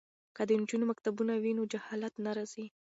که د نجونو مکتبونه وي نو جهالت نه راځي.